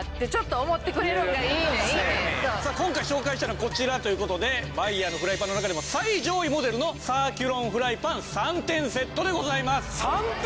さあ今回紹介したいのがこちらという事でマイヤーのフライパンの中でも最上位モデルのサーキュロンフライパン３点セットでございます。